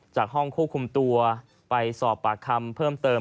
จากห้องควบคุมตัวไปสอบปากคำเพิ่มเติม